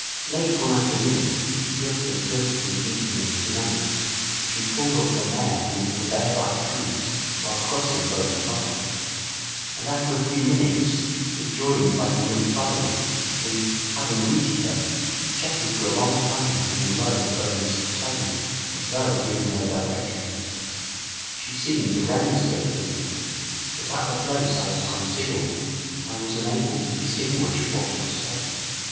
Late one afternoon, just as dusk was deepening into night, she pulled up her mare beneath the bare black trees while crossing Burghley Park, and after a few minutes was joined by the young foreigner, who, having greeted her, chatted for a long time in a low, earnest tone, as though giving her directions. She seemed to remonstrate with him, but at the place I was concealed I was unable to distinguish what was said.